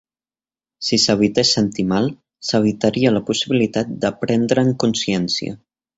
Si s'evités sentir mal, s'evitaria la possibilitat de prendre'n consciència.